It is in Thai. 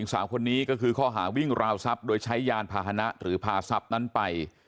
สาวคนนี้ก็คือข้อหาวิ่งราวทรัพย์โดยใช้ยานพาหนะหรือพาทรัพย์นั้นไป